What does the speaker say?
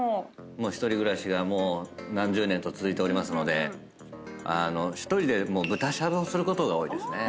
１人暮らしがもう何十年と続いておりますので１人で豚しゃぶをすることが多いですね。